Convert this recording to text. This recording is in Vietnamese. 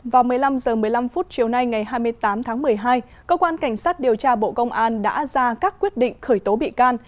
vào một mươi năm h một mươi năm chiều nay ngày hai mươi tám tháng một mươi hai cơ quan cảnh sát điều tra bộ công an đã ra các quyết định khởi tố bị can